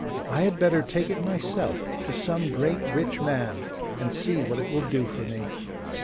I had better take it myself to some great rich man, and see what it will do for me.